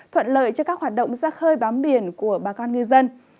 thuận lợi cho các hoạt động giác hơi bám biển của bà con người dân